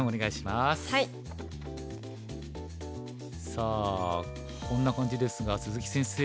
さあこんな感じですが鈴木先生